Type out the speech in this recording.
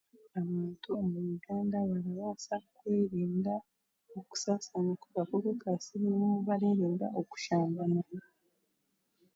Abantu omu Uganda barabaasa kwerinda okusasaana akakooko ka siriimu bareerinda okushambana.